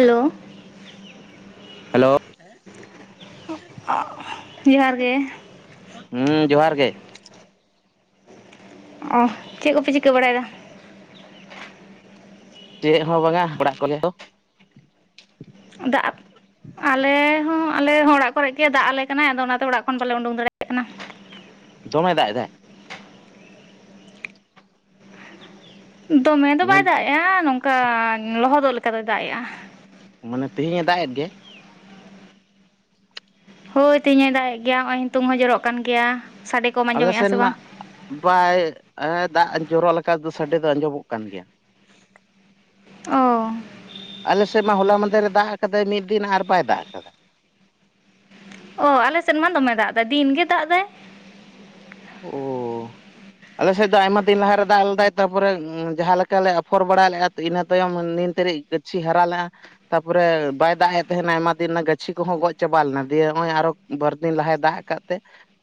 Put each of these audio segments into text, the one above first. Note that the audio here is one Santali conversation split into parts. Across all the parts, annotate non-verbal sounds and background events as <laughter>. ᱦᱮᱞᱳ ᱾ ᱦᱮᱞᱳ ᱾ ᱡᱚᱦᱟᱨ ᱜᱮ ᱾ ᱦᱩᱸ, ᱡᱚᱦᱟᱨ ᱜᱮ ᱾ ᱚᱻ ᱪᱮᱫ ᱠᱚᱯᱮ ᱪᱤᱠᱟᱹ ᱵᱟᱲᱟᱭᱮᱫᱟ? ᱪᱮᱫ ᱦᱚᱸ ᱵᱟᱝᱟ ᱚᱲᱟᱜ ᱠᱚᱨᱮ ᱫᱚ᱾ ᱫᱟᱜ ᱟᱞᱮ ᱦᱚᱸ-ᱟᱞᱮ ᱦᱚᱸ ᱚᱲᱟᱜ ᱠᱚᱨᱮ ᱜᱮ, ᱫᱟᱜ ᱟᱞᱮ ᱠᱟᱱᱟᱭ ᱟᱫᱚ ᱚᱱᱟ ᱛᱮ ᱚᱲᱟᱜ ᱠᱷᱚᱱ ᱵᱟᱞᱮ ᱩᱰᱩᱝ ᱫᱟᱲᱮᱭᱟᱜ ᱠᱟᱱᱟ ᱾ ᱫᱚᱢᱮ ᱫᱟᱜ ᱮᱫᱟᱭ ᱾ ᱫᱚᱢᱮ ᱫᱚ ᱵᱟᱭ ᱫᱟᱜ ᱮᱜᱼᱟ, ᱱᱚᱝᱠᱟ ᱞᱚᱦᱚᱫᱚᱜ ᱞᱮᱠᱟ ᱫᱚᱭ ᱫᱟᱜ ᱮᱜᱼᱟ ᱾ ᱢᱟᱱᱮ ᱛᱮᱦᱮᱧ ᱮ ᱫᱟᱜ ᱮᱫ ᱜᱮ ᱾ ᱦᱳᱭ, ᱛᱮᱦᱮᱧ ᱮ ᱫᱟᱜᱮᱜ ᱜᱮᱭᱟ ᱱᱚᱜᱼᱚᱭ ᱱᱤᱛᱚᱝ ᱦᱚᱸ ᱡᱚᱨᱚᱜ ᱠᱟᱱ ᱜᱮᱭᱟ ᱥᱟᱰᱮ ᱠᱚᱢ ᱟᱞᱮ ᱟᱸᱡᱚᱢᱮᱫᱼᱟ ᱥᱮᱱ ᱥᱮ ᱢᱟ ᱵᱟᱝ ᱵᱟᱭ ᱫᱟᱜ ᱡᱚᱨᱚ ᱞᱮᱠᱟ ᱫᱚ ᱥᱟᱰᱮ ᱫᱚ ᱟᱸᱡᱚᱢᱚᱜ ᱠᱟᱱ ᱜᱮᱭᱟ ᱾ ᱚ ᱾ ᱟᱞᱮ ᱥᱮᱫ ᱢᱟ ᱦᱚᱞᱟ ᱢᱟᱸᱦᱫᱮᱨ ᱮ ᱫᱟᱜ ᱟᱠᱟᱫᱟᱭ ᱢᱤᱫ ᱫᱤᱱ ᱟᱨ ᱵᱟᱭ ᱫᱟᱜ ᱟᱠᱟᱫᱟ ᱾ ᱚ ᱟᱞᱮ ᱥᱮᱫ ᱢᱟ ᱫᱚᱢᱮ ᱫᱟᱜ ᱮᱫᱟ ᱫᱤᱱ ᱜᱮ ᱫᱟᱜ ᱫᱟᱭ ᱾ ᱚ ᱾ ᱟᱞᱮ ᱥᱮᱫ ᱫᱚ ᱟᱭᱢᱟ ᱫᱤᱱ ᱞᱟᱦᱟᱨᱮ ᱫᱟᱜ ᱞᱮᱫᱟᱭ ᱛᱟᱨᱯᱚᱨᱮ ᱡᱟᱦᱟᱸ ᱞᱮᱠᱟ ᱞᱮ ᱟᱯᱷᱚᱨ ᱵᱟᱲᱟ ᱞᱮᱜᱼᱟ ᱤᱱᱟᱹ ᱛᱟᱭᱚᱢ ᱱᱤᱱ ᱛᱟᱹᱨᱤᱡ ᱜᱟᱹᱪᱷᱤ ᱦᱟᱨᱟ ᱞᱮᱜᱼᱟ ᱛᱟᱯᱚᱨᱮ ᱵᱟᱭ ᱫᱟᱜ ᱮᱫ ᱛᱟᱦᱮᱱᱟ ᱟᱭᱢᱟ ᱫᱤᱱ ᱨᱮᱱᱟᱜ ᱜᱟᱹᱪᱷᱤ ᱠᱚᱦᱚᱸ ᱜᱚᱡ ᱪᱟᱵᱟ ᱞᱮᱱᱟ ᱫᱤᱭᱮ ᱱᱚᱜᱼᱚᱭ ᱟᱨ ᱵᱟᱨᱫᱤᱱ ᱞᱟᱦᱟᱭ ᱫᱟᱜ ᱟᱠᱟᱫ ᱛᱮ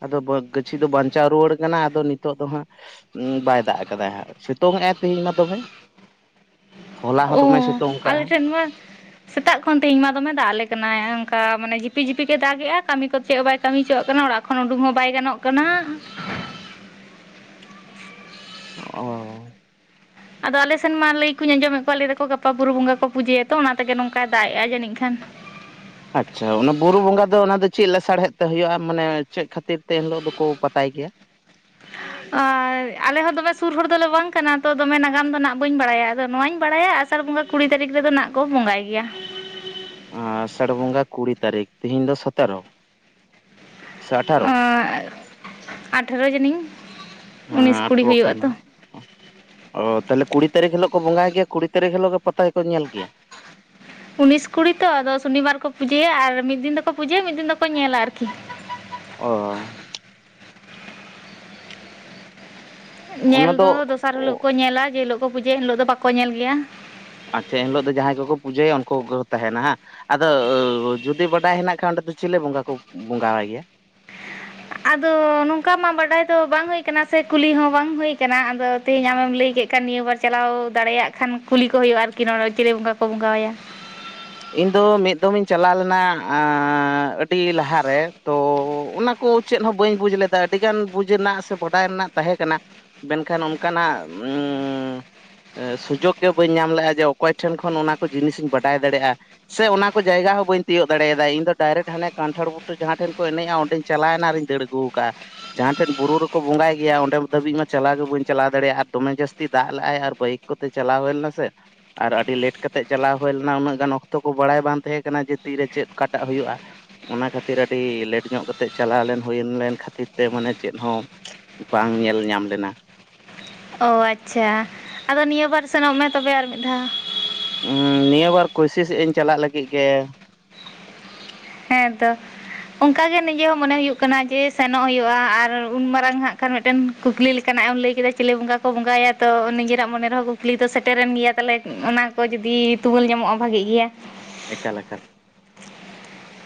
ᱟᱫᱚ ᱵᱟᱹ ᱜᱟᱹᱪᱷᱤ ᱫᱚ ᱵᱟᱧᱪᱟᱣ ᱨᱩᱣᱟᱹᱲ ᱠᱟᱱᱟ ᱟᱫᱚ ᱱᱤᱛ ᱱᱤᱛᱚᱜ ᱫᱚ ᱦᱟᱸᱜ ᱵᱟᱭ ᱫᱟᱜ ᱠᱟᱫᱟᱭ ᱦᱟᱸᱜ ᱥᱤᱛᱩᱝ ᱮ ᱟᱭ ᱛᱮᱦᱮᱧ ᱢᱟ ᱫᱚᱢᱮ ᱦᱚᱞᱟ ᱦᱚᱸ ᱫᱚᱢᱮ ᱚ ᱥᱮᱛ ᱟᱞᱮ ᱴᱷᱮᱱ ᱢᱟ ᱥᱮᱛᱟᱜ ᱠᱷᱚᱱ ᱛᱮᱦᱮᱧ ᱢᱟ ᱫᱚᱢᱮ ᱫᱟᱜ ᱟᱞᱮ ᱠᱟᱱᱟᱭ ᱚᱝᱠᱟ ᱢᱟᱱᱮ ᱡᱷᱤᱯᱤᱠ-ᱡᱷᱤᱯᱤᱠ ᱮ ᱫᱟᱜ ᱮᱜᱼᱟ ᱠᱟᱹᱢᱤ ᱠᱚ ᱪᱮᱜ ᱦᱚᱸ ᱵᱟᱭ ᱠᱟᱹᱢᱤ ᱦᱚᱪᱚᱣᱟᱜ ᱠᱟᱱᱟ ᱚᱲᱟᱜ ᱠᱷᱚᱱ ᱩᱸᱰᱩᱝ ᱦᱚᱸ ᱵᱟᱭ ᱜᱟᱱᱚᱜ ᱠᱟᱱᱟ᱾ ᱚᱦᱚ ᱟᱫᱚ ᱟᱞᱮ ᱥᱮᱱ ᱢᱟ ᱞᱟᱹᱭ ᱠᱩᱧ ᱟᱸᱡᱚᱢᱮᱜ ᱠᱚᱣᱟ ᱞᱟᱹᱭ ᱫᱚᱠᱚ ᱜᱟᱯᱟ ᱵᱩᱨᱩ ᱵᱚᱸᱜᱟ ᱠᱚ ᱯᱩᱡᱟᱹᱭᱟᱛᱚ ᱚᱱᱟ ᱛᱮᱜᱮ ᱱᱚᱝᱠᱟᱭ ᱫᱟᱜ ᱮᱜᱼᱟ ᱡᱟᱹᱱᱤᱡ ᱠᱷᱟᱱ ᱟᱪᱷᱟ ᱚᱱᱟ ᱵᱩᱨᱩ ᱵᱚᱸᱜᱟ ᱫᱚ ᱚᱱᱟ ᱫᱚ ᱪᱮᱜ ᱞᱮᱥᱟᱲᱦᱮᱫ ᱛᱮ ᱦᱩᱭᱩᱜᱼᱟ ᱢᱟᱱᱮ ᱪᱮᱫ ᱠᱷᱟᱹᱛᱤᱨ ᱛᱮ ᱮᱱᱦᱤᱞᱳᱜ ᱫᱚᱠᱚ ᱯᱟᱛᱟᱭ ᱜᱮᱭᱟ ᱟᱞᱮ ᱦᱚᱸ ᱫᱚᱢᱮ ᱥᱩᱨ ᱦᱚᱲ ᱫᱚᱞᱮ ᱵᱟᱝ ᱠᱟᱱᱟ ᱛᱚ ᱫᱚᱢᱮ ᱱᱟᱜᱟᱢ ᱫᱚ ᱱᱟᱜ ᱵᱟᱹᱧ ᱵᱟᱲᱟᱭᱟ ᱟᱫᱚ ᱱᱚᱣᱟᱧ ᱵᱟᱲᱟᱭᱟ ᱟᱨ ᱟᱥᱟᱲ ᱵᱚᱸᱜᱟ ᱠᱩᱲᱤ ᱛᱟᱹᱨᱤᱠᱷ ᱨᱮᱫᱚ ᱱᱟᱜ ᱠᱚ ᱵᱚᱸᱜᱟᱭ ᱜᱮᱭᱟ ᱟ ᱟᱥᱟᱲ ᱵᱚᱸᱜᱟ ᱠᱩᱲᱤ ᱛᱟᱹᱨᱤᱠᱷ ᱛᱤᱦᱤᱧ ᱫᱚ ᱥᱚᱛᱮᱨᱚ ᱥᱮ ᱟᱴᱷᱟᱨᱚ ᱚᱸᱜ ᱟᱴᱷᱨᱨᱚ ᱡᱟᱹᱱᱤᱡ ᱦᱮᱸ ᱩᱱᱤᱥ ᱠᱩᱲᱤ ᱟᱴᱷᱟᱨᱚ ᱦᱩᱭᱩᱜᱼᱟ ᱠᱟᱱᱟ᱾ ᱛᱚ ᱚ ᱛᱟᱦᱚᱞᱮ ᱠᱩᱲᱤ ᱛᱟᱹᱨᱤᱠᱷ ᱦᱤᱞᱳᱜ ᱠᱚ ᱵᱚᱸᱜᱟᱭ ᱜᱮᱭᱟ ᱠᱩᱲᱤ ᱛᱟᱨᱤᱠᱷ ᱦᱤᱞᱳᱜ ᱜᱮ ᱯᱟᱛᱟ ᱜᱮ ᱠᱚ ᱧᱮᱞ ᱜᱮᱭᱟ ᱩᱱᱤᱥ ᱠᱩᱲᱤ ᱛᱚ ᱟᱫᱚ ᱥᱚᱱᱤᱵᱟᱨ ᱠᱚ ᱯᱩᱡᱟᱹᱭᱟ ᱟᱨ ᱢᱤᱫ ᱫᱤᱱ ᱫᱚᱠᱚ ᱯᱩᱡᱟᱹᱭᱟ ᱢᱤᱫ ᱫᱤᱱ ᱫᱚᱠᱚ ᱧᱮᱞᱟ ᱟᱨᱠᱤ ᱚᱦᱚ ᱧᱮᱞ ᱫᱚ ᱫᱚᱥᱟᱨ ᱦᱤᱞᱳᱜ ᱠᱚ ᱧᱮᱞᱟ ᱡᱮᱦᱳᱞᱳᱜ ᱠᱚ ᱯᱩᱡᱟᱹᱭᱟ ᱮᱱᱦᱤᱞᱳᱜ ᱫᱚ ᱵᱟᱠᱚ ᱧᱮᱞ ᱜᱮᱭᱟ᱾ ᱟᱪᱷᱟ ᱮᱱ ᱦᱤᱞᱳᱜ ᱫᱚ ᱡᱟᱦᱟᱸᱭ ᱠᱚᱠᱚ ᱯᱩᱡᱟᱹᱭᱟ ᱩᱱᱠᱩ ᱠᱚᱠᱚ ᱛᱟᱦᱮᱱᱟ ᱦᱟᱸᱜ ᱟᱫᱚ ᱡᱩᱫᱤ ᱵᱟᱰᱟᱭ ᱦᱮᱱᱟᱜ ᱠᱷᱟᱡ ᱚᱸᱰᱮ ᱫᱚ ᱪᱮᱞᱮ ᱵᱚᱸᱜᱟ ᱠᱚ ᱵᱚᱸᱜᱟᱣᱟᱭ ᱜᱮᱭᱟ? ᱟᱫᱚ ᱱᱚᱝᱠᱟ ᱢᱟ ᱵᱟᱰᱟᱭ ᱫᱚ ᱵᱟᱝ ᱦᱩᱭ ᱠᱟᱱᱟ ᱥᱮ ᱠᱩᱞᱤ ᱦᱚᱸ ᱵᱟᱝ ᱦᱩᱭ ᱠᱟᱱᱟ ᱟᱫᱚ ᱛᱮᱦᱮᱧ ᱟᱢᱮᱢ ᱞᱮᱭ ᱠᱮᱜ ᱠᱷᱟᱱ ᱱᱤᱭᱟᱹ ᱵᱟᱨ ᱪᱟᱞᱟᱣ ᱫᱟᱲᱮᱭᱟᱜ ᱠᱷᱟᱱ ᱠᱩᱞᱤ ᱠᱚ ᱦᱩᱭᱩᱜᱼᱟ ᱟᱨᱠᱤ ᱱᱚᱸᱰᱮ ᱪᱮᱞᱮ ᱵᱚᱸᱜᱟ ᱠᱚ ᱵᱚᱸᱜᱟᱣᱟᱭᱟ᱾ ᱤᱧ ᱫᱚ ᱢᱤᱫ ᱫᱚᱢ ᱤᱧ ᱪᱟᱞᱟᱣ ᱞᱮᱱᱟ ᱟᱹᱰᱤ ᱞᱟᱦᱟᱨᱮ ᱛᱚ ᱚᱱᱟ ᱠᱚ ᱪᱮᱫ ᱦᱚᱸ ᱵᱟᱹᱧ ᱵᱩᱡᱽ ᱞᱮᱫᱟ ᱟᱹᱰᱤ ᱜᱟᱱ ᱵᱩᱡᱽ ᱨᱮᱱᱟᱜ ᱥᱮ ᱵᱟᱰᱟᱭ ᱨᱮᱱᱟᱜ ᱛᱟᱦᱮᱸ ᱠᱟᱱᱟ᱾ ᱢᱮᱱᱠᱷᱟᱱ ᱚᱱᱠᱟᱱᱟᱜ ᱥᱩᱡᱳᱜ ᱜᱮ ᱵᱟᱹᱧ ᱧᱟᱢ ᱞᱮᱜᱼᱟ ᱡᱮ ᱚᱠᱚᱭ ᱴᱷᱮᱱ ᱠᱷᱚᱱ ᱚᱱᱟ ᱠᱚ ᱡᱤᱱᱤᱥᱤᱧ ᱵᱟᱰᱟᱭ ᱫᱟᱲᱮᱜᱼᱟ᱾ ᱥᱮ ᱚᱱᱟ ᱠᱚ ᱡᱟᱭᱜᱟ ᱦᱚᱸ ᱵᱟᱹᱧ ᱛᱤᱭᱳᱜ ᱫᱟᱲᱮᱭᱟᱫᱟ ᱤᱧ ᱫᱚ ᱰᱟᱭᱨᱮᱠᱴ ᱦᱟᱱᱮ ᱠᱟᱱᱴᱷᱟᱲ ᱵᱩᱴᱟᱹ ᱡᱟᱦᱟᱸ ᱴᱷᱮᱱ ᱠᱚ ᱮᱱᱮᱡᱼᱟ ᱚᱸᱰᱮᱧ ᱪᱟᱞᱟᱣᱮᱱᱟ ᱟᱨᱤᱧ ᱫᱟᱹᱲ ᱟᱹᱜᱩ ᱟᱹᱜᱩᱣ ᱠᱟᱜᱼᱟ᱾ ᱡᱟᱦᱟᱸ ᱴᱷᱮᱱ ᱵᱩᱨᱩ ᱨᱮᱠᱚ ᱵᱚᱸᱜᱟᱭ ᱜᱮᱭᱟ ᱚᱸᱰᱮ ᱫᱷᱟᱹᱵᱤᱡ ᱢᱟ ᱪᱟᱞᱟᱣ ᱜᱮ ᱵᱟᱹᱧ ᱪᱟᱞᱟᱣ ᱫᱟᱲᱮᱭᱟᱜᱼᱟ ᱫᱚᱢᱮ ᱡᱟᱹᱥᱛᱤ ᱫᱟᱜ ᱞᱟᱜᱼᱟᱭ ᱟᱨ ᱵᱟᱹᱭᱤᱠ ᱠᱚᱛᱮ ᱪᱟᱞᱟᱣ ᱦᱳᱭ ᱞᱮᱱᱟ ᱥᱮ ᱟᱨ ᱟᱹᱰᱤ ᱞᱮᱴ ᱠᱟᱛᱮᱜ ᱪᱟᱞᱟᱣ ᱦᱳᱭ ᱞᱮᱱᱟ ᱩᱱᱟᱹᱜ ᱜᱟᱱ ᱚᱠᱛᱚ ᱛᱚ ᱠᱚ ᱵᱟᱲᱟᱭ ᱵᱟᱝ ᱛᱟᱦᱮᱸ ᱠᱟᱱᱟ ᱡᱮ ᱛᱤᱨᱮ ᱪᱮᱫ ᱚᱠᱟᱴᱟᱜ ᱦᱩᱭᱩᱜᱼᱟ᱾ ᱚᱱᱟ ᱠᱷᱟᱹᱛᱤᱨ ᱟᱹᱰᱤ ᱞᱮᱴ ᱧᱚᱜ ᱠᱟᱛᱮᱜ ᱪᱟᱞᱟᱣ ᱞᱮᱱ ᱦᱩᱭ ᱞᱮᱱ ᱠᱷᱟᱹᱛᱤᱨ ᱛᱮ ᱢᱟᱱᱮ ᱪᱮᱫ ᱦᱚᱸ ᱵᱟᱝ ᱧᱮᱞ ᱧᱟᱢ ᱞᱮᱱᱟ᱾ ᱚ ᱟᱪᱷᱟ ᱟᱫᱚ ᱱᱤᱭᱟᱹ ᱵᱟᱨ ᱥᱮᱱᱚᱜ ᱢᱮ ᱛᱚᱵᱮ ᱟᱨ ᱢᱤᱫ ᱫᱷᱟᱣ ᱱᱤᱭᱟᱹ ᱵᱟᱨ ᱠᱳᱥᱤᱥᱮᱜ ᱟᱹᱧ ᱪᱟᱞᱟᱜ ᱞᱟᱹᱜᱤᱜ ᱜᱮ ᱦᱮᱸᱻ ᱛᱚ ᱚᱝᱠᱟ ᱜᱮ ᱱᱤᱡᱮ ᱦᱚᱸ ᱢᱚᱱᱮ ᱦᱩᱭᱩᱜ ᱠᱟᱱᱟ ᱡᱮ ᱥᱮᱱᱚᱜ ᱦᱳᱭᱳᱜᱼᱟ ᱟᱨ ᱩᱱ ᱢᱟᱨᱟᱝ ᱦᱟᱸᱜ ᱠᱷᱟᱱ ᱢᱤᱫᱴᱮᱱ ᱠᱩᱠᱞᱤ ᱞᱮᱠᱟᱱᱟᱜ ᱮᱢ ᱞᱟᱹᱭ ᱠᱮᱫᱟ ᱪᱮᱞᱮ ᱵᱚᱸᱜᱟ ᱠᱚ ᱵᱚᱸᱜᱟᱣᱟᱭᱟ ᱛᱚ ᱱᱤᱡᱮᱨᱟᱜ ᱢᱚᱱᱮ ᱨᱮᱦᱚᱸ ᱠᱩᱠᱞᱤ ᱫᱚ ᱥᱮᱴᱨᱮᱱ ᱜᱮᱭᱟ ᱛᱟᱦᱚᱞᱮ ᱚᱱᱟ ᱠᱚ ᱡᱩᱫᱤ ᱛᱩᱢᱟᱹᱞ ᱧᱟᱢᱚᱜᱼᱟ ᱵᱷᱟᱜᱮᱜ ᱜᱮᱭᱟ᱾ ᱮᱠᱟᱞ-ᱮᱠᱟᱞ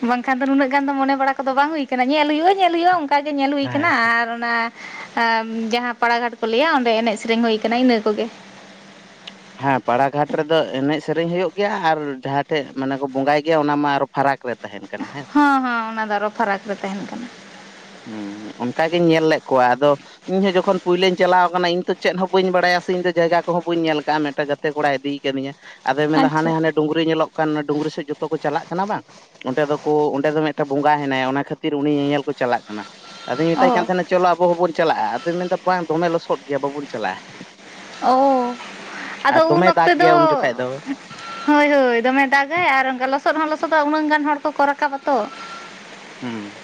ᱵᱟᱝᱠᱷᱟᱱ ᱫᱚ ᱱᱩᱱᱟᱹᱜ ᱜᱟᱱ ᱫᱚ ᱢᱚᱱᱮ ᱵᱟᱲᱟ ᱠᱚᱫᱚ ᱵᱟᱝ ᱦᱩᱭ ᱠᱟᱱᱟ ᱧᱮᱞ ᱦᱩᱭᱩᱜᱼᱟ᱾ ᱧᱮᱞ ᱦᱩᱭᱩᱜᱼᱟ᱾ ᱚᱱᱠᱟ ᱜᱮ ᱧᱮᱞ ᱦᱩᱭ ᱠᱟᱱᱟ ᱦᱮᱸ ᱟᱨ ᱚᱱᱟ ᱟ ᱡᱟᱦᱟᱸ ᱯᱟᱲᱟᱜᱷᱟᱴ ᱠᱚ ᱞᱮᱭᱟ ᱚᱸᱰᱮ ᱮᱱᱮᱡ ᱥᱮᱨᱮᱧ ᱦᱩᱭ ᱠᱟᱱᱟ ᱤᱱᱟᱹ ᱠᱚᱜᱮ᱾ ᱦᱮᱸ ᱯᱟᱲᱟᱜᱷᱟᱴ ᱨᱮᱫᱚ ᱮᱱᱮᱡ ᱥᱮᱨᱮᱧ ᱦᱩᱭᱩᱜ ᱜᱮᱭᱟ ᱟᱨ ᱡᱟᱦᱟᱸ ᱴᱷᱮᱡ ᱢᱟᱱᱮ ᱠᱚ ᱵᱚᱸᱜᱟᱭ ᱜᱮᱭᱟ ᱚᱱᱟ ᱢᱟ ᱟᱨᱚ ᱯᱷᱟᱨᱟᱠ ᱨᱮ ᱛᱟᱦᱮᱱ ᱠᱟᱱᱟ ᱦᱮᱸ᱾ ᱦᱚᱸ ᱦᱚᱸ ᱚᱱᱟ ᱫᱚ ᱟᱨᱚ ᱯᱷᱟᱨᱟᱠ ᱨᱮ ᱛᱟᱦᱮᱱ ᱠᱟᱱᱟ᱾ ᱦᱩᱸ ᱦᱩᱸ, ᱚᱱᱠᱟ ᱜᱤᱧ ᱧᱮᱞ ᱞᱮᱜ ᱠᱚᱣᱟ ᱟᱫᱚ ᱤᱧᱦᱚᱸ ᱡᱚᱠᱷᱚᱱ ᱯᱩᱭᱞᱟᱧ ᱪᱟᱞᱟᱣ ᱠᱟᱱᱟ, ᱤᱧ ᱛᱚ ᱪᱮᱫ ᱦᱚᱸ ᱵᱟᱹᱧ ᱵᱟᱲᱟᱭᱟ ᱥᱮ ᱤᱧ ᱫᱚ ᱡᱟᱭᱜᱟ ᱠᱚᱦᱚᱸ ᱵᱟᱹᱧ ᱧᱮᱞ ᱠᱟᱜᱼᱟ᱾ ᱢᱮᱫᱴᱮᱡ ᱜᱟᱛᱮ ᱛᱮ ᱠᱚᱲᱟᱭ ᱤᱫᱤᱭ ᱠᱟᱫᱤᱧᱟ ᱟᱫᱚᱭ ᱢᱮᱱᱫᱟ ᱦᱟᱱᱮ ᱟᱪᱪᱷᱟ ᱦᱟᱱᱮ ᱰᱩᱝᱨᱤ ᱧᱮᱞᱚᱜ ᱠᱟᱱ ᱚᱱᱟ ᱰᱩᱝᱨᱤ ᱥᱮᱫ ᱡᱚᱛᱚ ᱠᱚ ᱪᱟᱞᱟᱜ ᱠᱟᱱᱟ ᱵᱟᱝ ᱚᱸᱰᱮ ᱫᱚᱠᱚ ᱚᱸᱰᱮ ᱫᱚ ᱢᱮᱫᱴᱮᱱ ᱵᱚᱸᱜᱟ ᱦᱮᱱᱟᱭᱟ, ᱚᱱᱟ ᱠᱷᱟᱹᱛᱤᱨ ᱩᱱᱤ ᱧᱮᱧᱮᱞ ᱠᱚ ᱪᱟᱞᱟᱜ ᱠᱟᱱᱟ ᱟᱫᱚᱧ ᱢᱮᱛᱟᱭ ᱠᱟᱱ ᱚ ᱛᱟᱦᱮᱱᱟ ᱪᱚᱞᱚ ᱟᱵᱚ ᱦᱚᱸᱵᱚᱱ ᱪᱟᱞᱟᱜᱼᱟ᱾ ᱟᱫᱚᱭ ᱢᱮᱱᱫᱟ ᱵᱟᱝ ᱫᱚᱢᱮ ᱞᱚᱥᱚᱫ ᱜᱮᱭᱟ ᱵᱟᱵᱚᱱ ᱪᱟᱞᱟᱜᱼᱟ᱾ ᱳ ᱟᱨ ᱟᱫᱚ ᱫᱚᱢᱮ ᱩᱱ ᱫᱟᱜᱽ ᱚᱠᱛᱮ ᱜᱮᱭᱟ ᱫᱚ ᱩᱱ ᱡᱚᱠᱷᱟᱡ ᱫᱚ ᱦᱳᱭ ᱦᱳᱭ ᱫᱚᱢᱮ ᱫᱟᱜ ᱟᱭ ᱟᱨ ᱚᱱᱠᱟ ᱞᱚᱥᱚᱫ ᱦᱚᱸ ᱞᱚᱥᱚᱫ ᱫᱚ ᱩᱱᱟᱹᱜ ᱜᱟᱱ ᱦᱚᱲ ᱠᱚᱠᱚ ᱨᱟᱠᱟᱵ ᱟᱛᱚ᱾ ᱦᱩᱸ᱾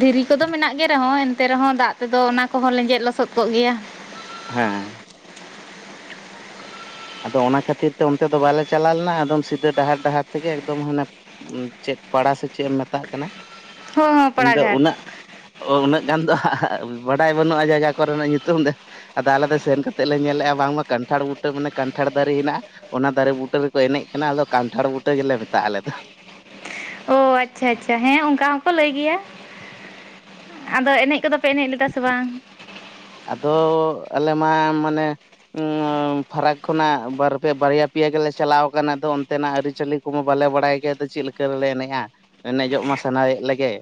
ᱫᱷᱤᱨᱤ ᱠᱚᱫᱚ ᱢᱮᱱᱟᱜ ᱜᱮ ᱨᱮᱦᱚᱸ ᱮᱱᱛᱮ ᱨᱮᱦᱚᱸ ᱫᱟᱜ ᱛᱮᱫᱚ ᱚᱱᱟ ᱠᱚᱦᱚᱸ ᱞᱮᱸᱡᱮᱫ ᱞᱚᱥᱚᱫ ᱠᱚᱜ ᱜᱮᱭᱟ᱾ ᱦᱮᱸ᱾ ᱟᱫᱚ ᱚᱱᱟ ᱠᱷᱟᱹᱛᱤᱨ ᱛᱮ ᱚᱱᱛᱮ ᱫᱚ ᱵᱟᱞᱮ ᱪᱟᱞᱟᱣ ᱞᱮᱱᱟ᱾ ᱟᱫᱚᱢ ᱥᱤᱫᱟᱹ ᱰᱟᱦᱟᱨ ᱰᱟᱦᱟᱨ ᱛᱮᱜᱮ ᱮᱠᱫᱚᱢ ᱦᱟᱱᱮ ᱪᱮᱫ ᱯᱟᱲᱟ ᱥᱮ ᱪᱮᱫ ᱮᱢ ᱢᱮᱛᱟᱜ ᱠᱟᱱᱟ? ᱦᱚᱸ ᱦᱚᱸ ᱤᱧ ᱫᱚ ᱯᱟᱲᱟᱜᱷᱟᱴ ᱩᱱᱟᱹᱜ ᱚ ᱩᱱᱟᱹᱜ ᱜᱟᱱ ᱫᱚ ᱵᱟᱰᱟᱭ ᱵᱟᱹᱱᱩᱜᱼᱟ, ᱡᱟᱭᱜᱟ ᱠᱚᱨᱮᱱᱟᱜ ᱧᱩᱛᱩᱢ ᱫᱚ᱾ ᱟᱫᱚ ᱟᱞᱮ ᱫᱚ ᱥᱮᱱ ᱠᱟᱛᱮᱫ ᱞᱮ ᱧᱮᱞᱮᱜᱼᱟ ᱵᱟᱝᱢᱟ ᱠᱟᱱᱴᱷᱟᱲ ᱵᱩᱴᱟᱹ ᱢᱟᱱᱮ ᱠᱟᱱᱴᱷᱟᱲ ᱫᱟᱨᱮ ᱦᱮᱱᱟᱜᱼᱟ ᱚᱱᱟ ᱫᱟᱨᱮ ᱵᱩᱴᱟᱹ ᱨᱮᱠᱚ ᱮᱱᱮᱡ ᱠᱟᱱᱟ᱾ ᱟᱫᱚ ᱠᱟᱱᱴᱷᱟᱲ ᱵᱩᱴᱟᱹ ᱜᱮᱞᱮ ᱢᱮᱛᱟᱜᱼᱟ, ᱟᱞᱮ ᱫᱚ᱾ ᱚ ᱟᱪᱪᱷᱟ ᱟᱪᱪᱷᱟ, ᱦᱮᱸ ᱚᱱᱠᱟ ᱦᱚᱸᱠᱚ ᱞᱟᱹᱭ ᱜᱮᱭᱟ᱾ ᱟᱫᱚ ᱮᱱᱮᱡ ᱠᱚᱫᱚ ᱯᱮ ᱮᱱᱮᱡ ᱞᱮᱫᱟ ᱥᱮ ᱵᱟᱝ? ᱟᱫᱚ ᱟᱞᱮ ᱢᱟ ᱢᱟᱱᱮ ᱯᱷᱟᱨᱟᱠ ᱠᱷᱚᱱᱟᱜ ᱵᱟᱨᱯᱮ ᱵᱟᱨᱭᱟ ᱯᱮᱭᱟ ᱜᱮᱞᱮ ᱪᱟᱞᱟᱣ ᱠᱟᱱᱟ᱾ ᱟᱫᱚ ᱚᱱᱛᱮᱱᱟᱜ ᱟᱹᱨᱤᱪᱟᱹᱞᱤ ᱨᱩ ᱠᱚ ᱢᱟ ᱵᱟᱞᱮ ᱵᱟᱲᱟᱭ ᱜᱮ ᱪᱮᱫ ᱞᱮᱠᱟ ᱨᱮᱞᱮ ᱮᱱᱮᱡᱼᱟ? ᱮᱱᱮᱡᱚᱜ ᱢᱟ ᱥᱟᱱᱟᱭᱮᱫ ᱞᱮᱜᱮ᱾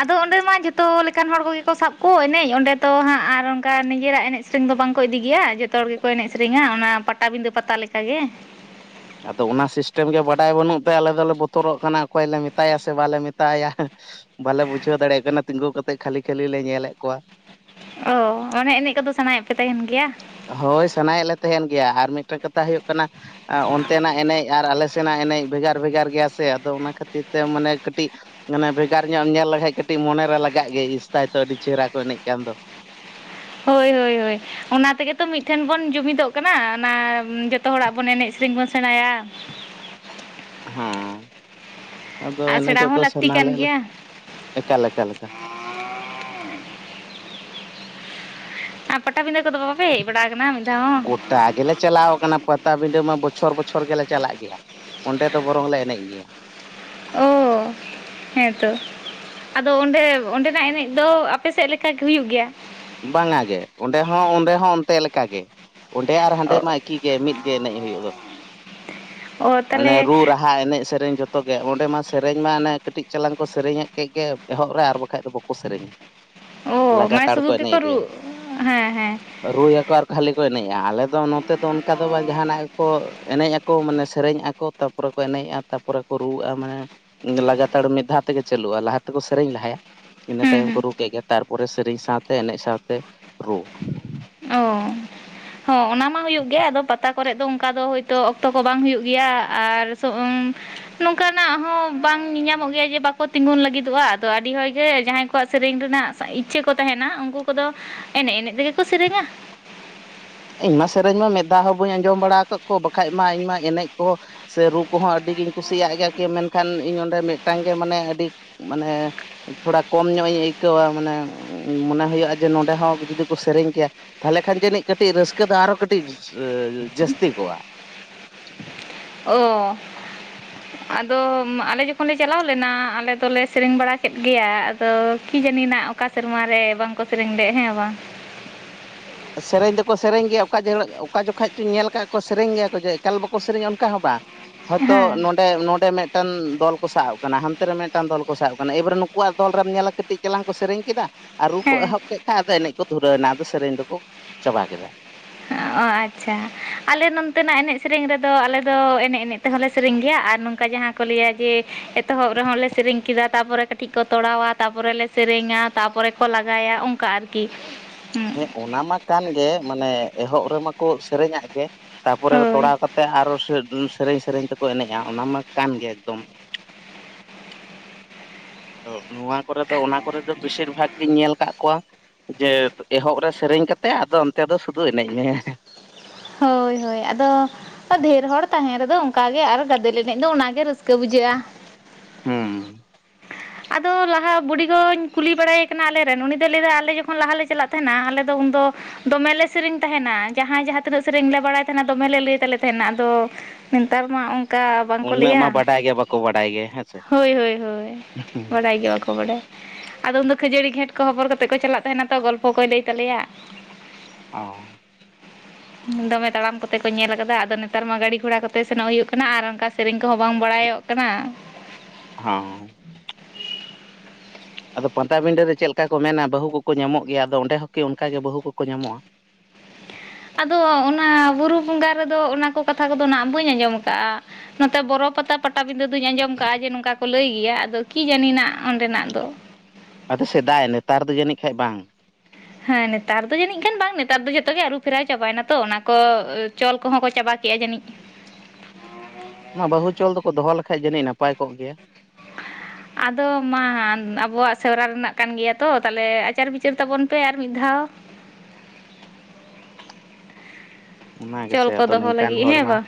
ᱟᱫᱚ ᱚᱸᱰᱮ ᱢᱟ ᱡᱚᱛᱚ ᱞᱮᱠᱟᱱ ᱦᱚᱲ ᱠᱚ ᱜᱮ ᱠᱚ ᱥᱟᱵᱽ ᱠᱚ ᱮᱱᱮᱡ ᱚᱸᱰᱮ ᱛᱚ ᱦᱟᱸᱜ ᱟᱨ ᱚᱱᱠᱟ ᱱᱤᱡᱮᱨᱟᱜ ᱮᱱᱮᱡ ᱥᱮᱫ ᱫᱚ ᱵᱟᱝ ᱠᱚ ᱤᱫᱤ ᱜᱮᱭᱟ᱿ ᱡᱚᱛᱚ ᱦᱚᱲ ᱜᱮᱠᱚ ᱮᱱᱮᱡ ᱥᱮᱨᱮᱧᱼᱟ᱾ ᱚᱱᱟ ᱯᱟᱴᱟᱵᱤᱸᱫᱟᱹ ᱯᱟᱛᱟ ᱞᱮᱠᱟ ᱜᱮ᱾ ᱟᱫᱚ ᱚᱱᱟ ᱥᱤᱥᱴᱮᱢ ᱜᱮ ᱵᱟᱰᱟᱭ ᱵᱟᱹᱱᱩᱜ ᱛᱮ, ᱟᱞᱮ ᱫᱚᱞᱮ ᱵᱚᱛᱚᱨᱚᱜ ᱠᱟᱱᱟ᱾ ᱚᱠᱚᱭ ᱞᱮ ᱢᱮᱛᱟᱭᱟ ᱥᱮ ᱵᱟᱞᱮ ᱢᱮᱛᱟᱭᱟ? ᱵᱟᱞᱮ ᱵᱩᱡᱷᱟᱹᱣ ᱫᱟᱲᱮᱜ ᱠᱟᱱᱟ᱾ ᱛᱤᱸᱜᱩ ᱠᱟᱛᱮ ᱠᱷᱟᱹᱞᱤ ᱠᱷᱟᱹᱞᱤ ᱞᱮ ᱧᱮᱞᱮᱫ ᱠᱚᱣᱟ᱾ ᱚ ᱚᱱᱮ ᱮᱱᱮᱡ ᱠᱚᱫᱚ ᱥᱟᱱᱟᱭᱮᱫ ᱯᱮ ᱛᱟᱦᱮᱱ ᱜᱮᱭᱟ᱾ ᱦᱳᱭ ᱥᱟᱱᱟᱭᱮᱫ ᱞᱮ ᱛᱟᱦᱮᱱ ᱜᱮ ᱟᱨ ᱢᱤᱫ ᱢᱮᱫᱴᱮᱱ ᱠᱟᱛᱷᱟ ᱦᱩᱭᱩᱜ ᱠᱟᱱᱟ, ᱚᱱᱛᱮ ᱱᱟᱜ ᱮᱱᱮᱡ ᱟᱨ ᱟᱞᱮ ᱥᱮᱱᱟᱜ ᱮᱱᱮᱡ ᱵᱷᱮᱜᱟᱨ ᱵᱷᱮᱜᱟᱨ ᱜᱮᱭᱟ ᱥᱮ ᱟᱫᱚ ᱚᱱᱟ ᱠᱷᱟᱹᱛᱤᱨ ᱛᱮ ᱢᱟᱱᱮ ᱠᱟᱹᱴᱤᱡ ᱢᱟᱱᱮ ᱵᱷᱮᱜᱟᱨ ᱧᱚᱜ ᱮᱢ ᱧᱮᱞ ᱞᱮᱠᱷᱟᱡ ᱠᱟᱹᱴᱤᱡ ᱢᱚᱱᱮᱨᱮ ᱞᱟᱜᱟᱜ ᱜᱮᱭᱟ ᱤᱥ ᱛᱟᱭ ᱛᱚ ᱟᱹᱰᱤ ᱪᱮᱦᱨᱟ ᱠᱚ ᱮᱱᱮᱡ ᱠᱟᱱ ᱫᱚ ᱦᱳᱭ, ᱦᱳᱭ, ᱦᱳᱭ᱾ ᱚᱱᱟ ᱛᱮᱜᱮ ᱛᱚ ᱢᱤᱫᱴᱷᱮᱱ ᱵᱚᱱ ᱡᱩᱢᱤᱫᱚᱜ ᱠᱟᱱᱟ᱾ ᱚᱱᱟ ᱡᱚᱛᱚ ᱦᱚᱲᱟᱜ ᱵᱚᱱ ᱮᱱᱮᱡ ᱥᱮᱨᱮᱧ ᱵᱚᱱ ᱥᱮᱸᱬᱟᱭᱟ᱾ ᱦᱮᱸ ᱟᱫᱚ ᱟᱨ ᱥᱮᱬᱟ ᱮᱱᱮᱡᱚᱜ ᱦᱚᱸ ᱫᱚ ᱞᱟᱹᱠᱛᱤ ᱥᱟᱱᱟᱞ ᱠᱟᱱ ᱞᱮ ᱜᱮᱭᱟ ᱮᱠᱟᱞ ᱮᱠᱟᱞ ᱮᱠᱟᱞ᱾ ᱟᱨ ᱯᱟᱴᱟᱵᱤᱸᱫᱟᱹ ᱠᱚᱫᱚ ᱵᱟ ᱵᱟᱯᱮ ᱵᱟᱲᱟ ᱠᱟᱱᱟ ᱢᱤᱫ ᱫᱷᱟᱣ ᱦᱚᱸ? ᱜᱚᱴᱟ ᱜᱮᱞᱮ ᱪᱟᱞᱟᱣ ᱠᱟᱱᱟ, ᱯᱟᱛᱟᱵᱤᱸᱰᱟᱹ ᱢᱟ ᱵᱚᱪᱷᱚᱨ ᱵᱚᱪᱷᱚᱨ ᱜᱮᱞᱮ ᱪᱟᱞᱟᱜ ᱜᱮᱭᱟ᱾ ᱚᱸᱰᱮ ᱫᱚ ᱵᱚᱨᱚᱝ ᱞᱮ ᱮᱱᱮᱡ ᱜᱮᱭᱟ᱾ ᱚᱸ᱾ ᱦᱮᱸᱛᱚ ᱟᱫᱚ ᱚᱸᱰᱮ ᱚᱸᱰᱮᱱᱟᱜ ᱮᱱᱮᱡ ᱫᱚ ᱟᱯᱥᱮᱫ ᱞᱮᱠᱟ ᱜᱮ ᱦᱩᱭᱩᱜ ᱜᱮᱭᱟ? ᱵᱟᱝᱼᱟ ᱜᱮ ᱚᱸᱰᱮ ᱦᱚᱸ ᱚᱸᱰᱮ ᱦᱚᱸ ᱚᱱᱛᱮ ᱞᱮᱠᱟ ᱜᱮ᱾ ᱚᱸᱰᱮ ᱟᱨ ᱦᱟᱸᱰᱮ ᱚ ᱢᱟ ᱮᱠᱤ ᱜᱮ ᱢᱤᱫ ᱜᱮ ᱮᱱᱮᱡ ᱦᱩᱭᱩᱜ ᱫᱚ᱾ ᱚ ᱚᱱᱮ ᱛᱟᱦᱚᱞᱮ ᱨᱩ ᱨᱟᱦᱟ ᱮᱱᱮᱡ ᱥᱮᱨᱮᱧ ᱡᱚᱛᱚ ᱡᱚᱛᱚ ᱜᱮ ᱚᱸᱰᱮ ᱢᱟ ᱥᱮᱨᱮᱧ ᱢᱟ ᱚᱱᱮ ᱠᱟᱹᱴᱤᱡ ᱪᱟᱞᱟᱝ ᱠᱚ ᱥᱮᱨᱮᱧᱮᱫ ᱠᱮᱫ ᱜᱮ ᱮᱦᱚᱵ ᱨᱮ ᱟᱨ ᱵᱟᱠᱷᱟᱡ ᱫᱚ ᱵᱟᱠᱚ ᱥᱮᱨᱮᱧᱟ ᱳ ᱢᱟ ᱞᱟᱜᱟᱛᱟᱲ ᱥᱩᱫᱩ ᱜᱮᱠᱚ ᱨᱩ ᱦᱮᱸ ᱦᱮᱸ ᱨᱩ ᱭᱟᱠᱚ ᱟᱨ ᱠᱷᱟᱹᱞᱤ ᱠᱚ ᱮᱱᱮᱡᱼᱟ ᱟᱞᱮ ᱫᱚ ᱱᱚᱛᱮ ᱫᱚ ᱚᱱᱠᱟ ᱫᱚ ᱵᱟᱝ ᱡᱟᱦᱟᱱᱟᱜ ᱜᱮ ᱠᱚ ᱮᱱᱮᱡ ᱟᱠᱚ ᱢᱟᱱᱮ ᱥᱮᱨᱮᱧ ᱟᱠᱚ᱾ ᱛᱟᱯᱚᱨᱮ ᱠᱚ ᱮᱱᱮᱡᱼᱟ ᱛᱟᱨᱯᱚᱨᱮ ᱠᱚ ᱨᱩᱣᱟᱹᱜᱼᱟ ᱢᱟᱱᱮ ᱞᱟᱜᱟᱛᱟᱲ ᱢᱤᱫ ᱫᱷᱟᱣ ᱛᱮᱜᱮ ᱪᱟᱹᱞᱩᱜᱼᱟ ᱞᱟᱦᱟ ᱛᱮᱠᱚ ᱥᱮᱨᱮᱧ ᱞᱟᱦᱟᱭᱟ ᱤᱱᱟᱹ ᱦᱩᱸ ᱛᱟᱭᱚᱢ ᱠᱚ ᱦᱩᱸ ᱨᱩ ᱠᱮᱜ ᱜᱮ ᱛᱟᱨᱯᱚᱨᱮ ᱥᱮᱨᱮᱹᱧ ᱥᱟᱶᱛᱮ ᱮᱱᱮᱡ ᱥᱟᱶᱛᱮ ᱨᱩ᱾ ᱚ ᱦᱚᱸ ᱚᱱᱟ ᱢᱟ ᱦᱩᱭᱩᱜ ᱜᱮ ᱟᱫᱚ ᱯᱟᱛᱟ ᱠᱚᱨᱮᱫ ᱫᱚ ᱚᱱᱠᱟ ᱫᱚ ᱦᱳᱭᱛᱚ ᱚᱠᱛᱚ ᱠᱚ ᱵᱟᱝ ᱦᱩᱭᱩᱜ ᱜᱮᱭᱟ ᱟᱨ ᱱᱚᱝᱠᱟ ᱱᱟᱜ ᱦᱚᱸ ᱵᱟᱝ ᱧᱮ ᱧᱟᱢᱚᱜ ᱜᱮᱭᱟ ᱡᱮ ᱵᱟᱠᱚ ᱛᱤᱸᱜᱩᱱ ᱞᱟᱹᱜᱤᱫᱚᱜᱼᱟ ᱟᱫᱚ ᱟᱹᱰᱤ ᱦᱚᱲᱜᱮ ᱡᱟᱦᱟᱸᱭ ᱠᱚᱣᱟᱜ ᱥᱮᱨᱮᱧ ᱨᱮᱱᱟᱜ ᱤᱪᱪᱷᱟᱹ ᱠᱚ ᱛᱟᱦᱮᱱᱟ ᱩᱱᱠᱩ ᱠᱚᱫᱚ ᱮᱱᱮᱡ ᱮᱱᱮᱡ ᱛᱮᱜᱮ ᱠᱚ ᱥᱮᱨᱮᱧᱟ᱾ ᱤᱧᱢᱟ ᱥᱮᱨᱮᱧ ᱢᱟ ᱢᱮᱫ ᱫᱷᱟᱣ ᱦᱚᱸ ᱵᱟᱹᱧ ᱟᱸᱡᱚᱢ ᱵᱟᱲᱟ ᱟᱠᱟᱫ ᱠᱚᱣᱟ ᱵᱟᱠᱷᱟᱡ ᱢᱟ ᱤᱧᱢᱟ ᱮᱱᱮᱡ ᱠᱚ ᱥᱮ ᱨᱩ ᱠᱚᱦᱚᱸ ᱟᱹᱰᱤ ᱜᱤᱧ ᱠᱩᱥᱤᱭᱟᱜ ᱜᱮ ᱠᱤ ᱢᱮᱱᱠᱷᱟᱱ ᱤᱧ ᱚᱸᱰᱮ ᱢᱤᱫᱴᱟᱝ ᱜᱮ ᱢᱟᱱᱮ ᱟᱹᱰᱤ ᱢᱟᱱᱮ ᱛᱷᱚᱲᱟ ᱠᱚᱢ ᱧᱚᱜ ᱤᱧ ᱤᱭᱠᱟᱹᱣᱟ ᱢᱟᱱᱮ ᱢᱚᱱᱮ ᱦᱩᱭᱩᱜᱼᱟ ᱡᱮ ᱱᱚᱰᱮ ᱦᱚᱸ ᱡᱩᱫᱤ ᱠᱚ ᱥᱮᱨᱮᱧ ᱠᱮᱭᱟ, ᱛᱟᱦᱞᱮ ᱠᱷᱟᱱ ᱡᱟᱹᱱᱤᱡ ᱠᱟᱹᱴᱤᱡ ᱨᱟᱹᱥᱠᱟᱹ ᱫᱚ ᱟᱨᱚ ᱠᱟᱹᱴᱤᱡ ᱡᱟᱹᱥᱛᱤ ᱠᱚᱜᱼᱟ᱾ ᱚᱻ᱾ ᱟᱫᱚ ᱢᱟ ᱟᱞᱮ ᱡᱚᱠᱷᱚᱱ ᱞᱮ ᱪᱟᱞᱟᱣ ᱞᱮᱱᱟ ᱟᱞᱮ ᱫᱚᱞᱮ ᱥᱮᱨᱮᱧ ᱵᱟᱲᱟ ᱠᱮᱫ ᱜᱮᱭᱟ ᱟᱫᱚ ᱠᱤ ᱡᱟᱹᱱᱤᱡ ᱱᱟᱜᱼᱼ ᱚᱠᱟ ᱥᱮᱨᱢᱟ ᱨᱮ ᱵᱟᱝ ᱠᱚ ᱥᱮᱨᱮᱧ ᱞᱮᱜ ᱦᱮᱸ ᱵᱟᱝ᱾ ᱥᱮᱨᱮᱧ ᱫᱚᱠᱚ ᱥᱮᱨᱮᱧ ᱜᱮᱭᱟ ᱚᱠᱟ ᱡᱮᱦᱲᱚᱜ ᱚᱠᱟ ᱡᱚᱠᱷᱟᱡ ᱪᱩᱧ ᱧᱮᱞ ᱠᱟᱜ-ᱟ ᱠᱚᱣᱟ ᱥᱮᱨᱮᱧ ᱜᱮᱭᱟ ᱠᱚ ᱡᱮ ᱮᱠᱟᱞ ᱵᱟᱠᱚ ᱥᱮᱨᱮᱧᱟ ᱚᱱᱠᱟ ᱦᱚᱸ ᱵᱟᱝ᱾ ᱦᱳᱭᱛᱚ ᱦᱮᱸ ᱱᱚᱸᱰᱮ ᱱᱚᱸᱰᱮ ᱢᱤᱫᱴᱮᱱ ᱫᱚᱞᱼᱼ ᱠᱚ ᱥᱟᱵ ᱟᱠᱟᱱᱟ ᱦᱟᱱᱛᱮ ᱨᱮ ᱢᱮᱜᱴᱟᱱ ᱫᱚᱞ ᱠᱚ ᱥᱟᱵ ᱟᱠᱟᱱᱟ ᱮᱭ ᱵᱟᱨᱮ ᱱᱩᱠᱩ ᱣᱟᱜ ᱫᱚᱞ ᱨᱮᱢ ᱧᱮᱞᱟ ᱠᱟᱹᱴᱤᱡ ᱪᱮᱞᱟᱝ ᱠᱚ ᱥᱮᱨᱮᱧ ᱠᱮᱫᱟᱼᱼ ᱟᱨ ᱨᱩ ᱠᱚ ᱦᱮᱸ ᱮᱦᱚᱵ ᱠᱮ ᱠᱷᱟᱡ ᱟᱫᱚ ᱮᱱᱮᱡ ᱠᱚ ᱫᱷᱩᱨᱟᱹᱣ ᱱᱟ ᱟᱫᱚ ᱥᱮᱨᱮᱧ ᱫᱚᱠᱚ ᱪᱟᱵᱟ ᱠᱮᱫᱟ᱾ ᱦᱚᱸᱜ-ᱚᱻ ᱟᱪᱪᱷᱟ ᱟᱞᱮ ᱱᱚᱱᱛᱮᱸᱱᱟᱜ ᱮᱱᱮᱡ ᱥᱮᱨᱮᱧ ᱨᱮᱫᱚ ᱟᱞᱮ ᱫᱚ ᱮᱱᱮᱡ ᱮᱱᱮᱡᱼᱼ ᱛᱮ ᱦᱚᱸᱞᱮ ᱥᱮᱨᱮᱧ ᱜᱮᱭᱟ ᱟᱨ ᱱᱚᱝᱠᱟ ᱡᱟᱦᱟᱸ ᱠᱚ ᱞᱟᱹᱭᱟ ᱡᱮ ᱮᱛᱚᱦᱚᱵ ᱨᱮᱦᱚᱸ ᱞᱮ ᱥᱮᱨᱮᱧ ᱠᱮᱫᱟ ᱛᱟᱯᱚᱨᱮ ᱠᱟᱹᱴᱼᱼ ᱠᱟᱹᱴᱤᱡ ᱠᱚ ᱛᱚᱲᱟᱣᱟ ᱛᱟᱯᱚᱨᱮ ᱞᱮ ᱥᱮᱨᱮᱧᱟ ᱛᱟᱯᱚᱨᱮ ᱠᱚ ᱞᱟᱜᱟᱭᱟ ᱚᱱᱠᱟ ᱟᱨ ᱠᱤ᱾ ᱦᱮᱸ ᱚᱱᱟ ᱢᱟ ᱠᱟᱱ ᱜᱮ ᱢᱟᱱᱮ ᱮᱦᱚᱵ ᱨᱮᱢᱟ ᱠᱚ ᱥᱮᱨᱮᱧᱟᱜ ᱜᱮ᱾ ᱛᱟᱯᱚᱨᱮ ᱫᱚ ᱦᱳᱭ ᱛᱚᱲᱟᱣ ᱠᱟᱛᱮᱜ ᱟᱨᱚ ᱥᱮᱫ ᱚ ᱥᱮᱨᱮᱧ ᱥᱮᱨᱮᱧ ᱛᱮᱠᱚ ᱮᱱᱮᱡᱼᱟ ᱚᱱᱟ ᱢᱟ ᱠᱟᱱ ᱜᱮ ᱮᱠᱫᱚᱢ᱾ ᱟᱫᱚ ᱱᱚᱣᱟ ᱠᱚᱨᱮ ᱫᱚ ᱚᱱᱟ ᱠᱚᱨᱮ ᱫᱚ ᱵᱮᱥᱤᱨ ᱵᱷᱟᱜ ᱜᱤᱧ ᱧᱮᱞ ᱠᱟᱜ ᱠᱚᱣᱟ᱾ ᱡᱮ ᱮᱦᱚᱵ ᱨᱮ ᱥᱮᱨᱮᱧ ᱠᱟᱛᱮᱜ ᱟᱫᱚ ᱚᱱᱛᱮ ᱫᱚ ᱥᱩᱫᱩ ᱮᱱᱮᱡ ᱢᱮ᱾ ᱦᱳᱭ ᱦᱳᱭ ᱟᱫᱚ᱾ ᱠᱟ ᱰᱷᱮᱨ ᱦᱚᱲ ᱛᱟᱦᱮᱸᱱ ᱨᱮᱫᱚ ᱚᱱᱠᱟ ᱜᱮ ᱟᱨ ᱜᱟᱫᱮᱞ ᱮᱱᱮᱡ ᱫᱚ ᱚᱱᱟ ᱜᱮ ᱨᱟᱹᱥᱠᱟᱹ ᱵᱩᱡᱷᱟᱹᱜ-ᱟ᱾ ᱦᱩᱸ᱾ ᱟᱫᱚ ᱞᱟᱦᱟ ᱵᱩᱰᱤ ᱜᱚᱧ ᱠᱩᱞᱤ ᱵᱟᱲᱟᱭᱮ ᱠᱟᱱᱟ ᱟᱞᱮ ᱨᱮᱱ ᱩᱱᱤ ᱫᱚᱭ ᱞᱟᱹᱭ ᱫᱟ ᱟᱞᱮ ᱡᱚᱠᱷᱚᱱ ᱞᱟᱦᱟ ᱞᱮ ᱪᱟᱞᱟᱜᱼᱼ ᱛᱟᱦᱮᱱᱟ ᱟᱞᱮ ᱫᱚ ᱩᱱ ᱫᱚᱢᱮ ᱞᱮ ᱥᱮᱨᱮᱧ ᱛᱟᱦᱮᱱᱟ ᱡᱟᱦᱟᱸᱭ ᱡᱟᱦᱟᱸᱼᱼ ᱛᱤᱱᱟᱹᱜ ᱥᱮᱨᱮᱧ ᱞᱮ ᱵᱟᱲᱟᱭ ᱛᱟᱦᱮᱱᱟ ᱫᱚᱢᱮ ᱞᱮ ᱞᱟᱹᱭ ᱛᱟᱞᱮ ᱛᱟᱦᱮᱱᱟ ᱟᱫᱚ ᱱᱮᱛᱟᱨ ᱢᱟ ᱚᱝᱼᱼ ᱠᱟ ᱵᱟᱝ ᱠᱚ ᱩᱱᱟᱹᱜ ᱢᱟ ᱞᱟᱹᱭᱟ ᱵᱟᱰᱟᱭ ᱜᱮ ᱵᱟᱠᱚ ᱵᱟᱰᱟᱭ ᱜᱮ ᱦᱮᱸᱥᱮ ᱦᱳᱭ ᱦᱳᱭ ᱵᱟᱰᱟᱭ ᱜᱮ ᱵᱟᱠᱚ ᱵᱟᱰᱟᱭᱟ᱾ ᱟᱫᱚ ᱩᱱ ᱫᱚ ᱠᱷᱟᱹᱡᱟᱹᱲᱤ ᱜᱷᱮᱸᱴ ᱠᱚ ᱦᱚᱵᱚᱨ ᱠᱟᱛᱮᱜ ᱠᱚ ᱪᱟᱞᱟᱜ ᱛᱟᱦᱮᱱᱟ ᱛᱚ ᱜᱚᱞᱯᱷᱚ ᱠᱚᱭ ᱞᱟᱹᱭ ᱛᱟᱞᱮᱭᱟ᱾ ᱚᱸᱻ᱾ ᱫᱚᱢᱮ ᱛᱟᱲᱟᱢ ᱠᱚᱛᱮ ᱠᱚ ᱧᱮᱞ ᱟᱠᱟᱫᱟ ᱟᱫᱚ ᱱᱮᱛᱟᱨ ᱢᱟ ᱜᱟᱹᱲᱤ ᱜᱷᱚᱲᱟ ᱠᱚᱛᱮ ᱥᱮᱱᱚᱜ ᱦᱩᱭᱩᱜ ᱠᱟᱱᱟ ᱟᱨ ᱚᱱᱠᱟᱼᱼ ᱥᱮᱨᱮᱧ ᱠᱚᱦᱚᱸ ᱵᱟᱝ ᱵᱟᱲᱟᱭᱚᱜ ᱠᱟᱱᱟ᱾ ᱦᱚᱸ᱾ ᱟᱫᱚ ᱯᱟᱛᱟ ᱵᱤᱸᱰᱟᱹ ᱨᱮ ᱪᱮᱜ ᱞᱮᱠᱟ ᱠᱚ ᱢᱮᱱᱟ ᱵᱟᱹᱦᱩ ᱠᱚᱠᱚ ᱧᱟᱢᱚᱜ ᱜᱮᱭᱟ ᱟᱫᱚ ᱚᱸᱰᱮ ᱦᱚᱸ ᱠᱤ ᱚᱱᱠᱟ ᱜᱮ ᱵᱟᱹᱦᱩ ᱠᱚᱠᱚ ᱧᱟᱢᱚᱜ-ᱟ? ᱟᱫᱚ ᱚᱱᱟ ᱵᱩᱨᱩ ᱵᱚᱸᱜᱟ ᱨᱮᱫᱚ ᱚᱱᱟ ᱠᱚ ᱠᱟᱛᱷᱟ ᱠᱚᱫᱚ ᱱᱟᱦᱟᱸᱜ ᱵᱟᱹᱧ ᱟᱸᱡᱚᱢ ᱟᱠᱟᱜ-ᱟ᱾ ᱱᱚᱛᱮ ᱵᱚᱨᱚ ᱯᱟᱛᱟ ᱯᱟᱴᱼᱼ ᱯᱟᱴᱟ ᱵᱤᱸᱰᱟᱹ ᱫᱩᱧ ᱟᱸᱡᱚᱢ ᱠᱟᱜ-ᱟ ᱡᱮ ᱱᱚᱝᱠᱟ ᱠᱚ ᱞᱟᱹᱭ ᱜᱮᱭᱟ ᱟᱫᱚ ᱠᱤ ᱡᱟᱹᱱᱤ ᱱᱟᱜ ᱚᱸᱰᱮ ᱱᱟᱜ ᱫᱚ᱾ ᱟᱫᱚ ᱥᱮᱫᱟᱭ ᱱᱮᱛᱟᱨ ᱫᱚ ᱡᱟᱹᱱᱤᱡ ᱠᱷᱟᱡ ᱵᱟᱝ᱾ ᱦᱮᱸ ᱱᱮᱛᱟᱨ ᱫᱚ ᱡᱟᱹᱱᱤᱡ ᱠᱷᱟᱱ ᱵᱟᱝ ᱱᱮᱛᱟᱨ ᱫᱚ ᱡᱚᱛᱚ ᱜᱮ ᱟᱹᱨᱩ ᱯᱷᱮᱨᱟᱣ ᱪᱟᱵᱟᱭ ᱱᱟ ᱛᱚ ᱚᱱᱟ ᱠᱚ ᱚ ᱪᱚᱞ ᱠᱚᱦᱚᱸ ᱠᱚ ᱪᱟᱵᱟ ᱠᱮᱜ-ᱟ ᱡᱟᱹᱱᱤᱡ᱾ ᱚᱱᱟ ᱵᱟᱹᱦᱩ ᱪᱚᱞ ᱫᱚᱠᱚ ᱫᱚᱦᱚ ᱞᱮᱠᱷᱟᱡ ᱡᱟᱹᱱᱤᱡ ᱱᱟᱯᱟᱭ ᱠᱚᱜ ᱜᱮᱭᱟ᱾ ᱟᱫᱚ ᱢᱟ ᱟᱵᱚᱣᱟᱜ ᱥᱮᱣᱨᱟ ᱨᱮᱱᱟᱜ ᱠᱟᱱ ᱜᱮᱭᱟ ᱛᱚ ᱛᱟᱦᱚᱞᱮ ᱟᱪᱟᱨ ᱵᱤᱪᱟᱹᱨ ᱛᱟᱵᱚᱱ ᱯᱮ ᱟᱨ ᱢᱤᱫ ᱫᱷᱟᱣ᱾ ᱚᱱᱟ ᱪᱚᱞ ᱜᱮᱥᱮ ᱠᱚ ᱟᱫᱚ ᱫᱚᱦᱚ ᱱᱮᱝ ᱠᱟᱱ ᱞᱟᱹᱜᱤᱫ ᱦᱚᱲ ᱦᱮᱸ ᱢᱟᱼᱼ ᱵᱟᱝ